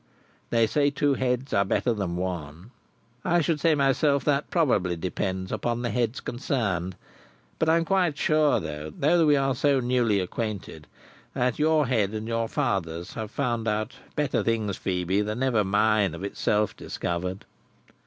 They say two heads are better than one. I should say myself that probably depends upon the heads concerned. But I am quite sure, though we are so newly acquainted, that your head and your father's have found out better things, Phœbe, than ever mine of itself discovered."